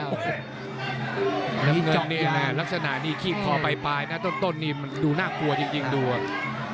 น้ำเงินนี่แนะลักษณะนี่คีบคอไปโตนดูมากกว่าจริง